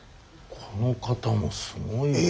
この方もすごい。